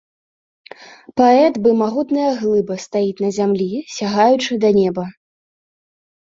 Паэт бы магутная глыба стаіць на зямлі, сягаючы да неба.